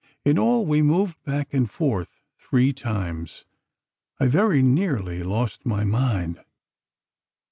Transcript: In all, we moved back and forth three times. I very nearly lost my mind.